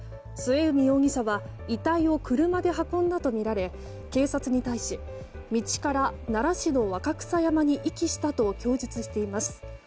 末海容疑者は遺体を車で運んだとみられ警察に対し道から奈良市の若草山に遺棄したと供述しています。